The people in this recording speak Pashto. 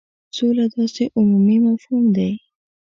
سوله داسي عمومي مفهوم دی.